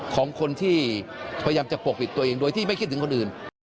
ของคนที่พยายามจะปกปิดตัวเองโดยที่ไม่คิดถึงคนอื่น